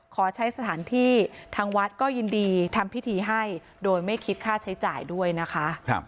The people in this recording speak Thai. ขอใช้สถานที่ทางวัดก็ยินดีทำพิธีให้โดยไม่คิดค่าใช้จ่ายด้วยนะคะ